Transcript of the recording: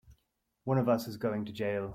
One of us is going to jail!